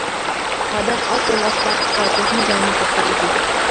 ئادەم ئاز بولغاچقا قۇشلار تېخىمۇ جانلىنىپ كەتكەن ئىدى.